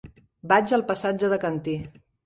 Vaig al passatge de Cantí.